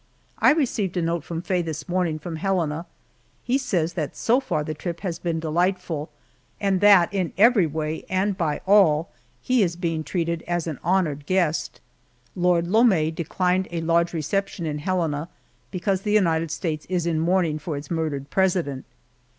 I received a note from Faye this morning from Helena. He says that so far the trip has been delightful, and that in every way and by all he is being treated as an honored guest. Lord Lome declined a large reception in Helena, because the United States is in mourning for its murdered President.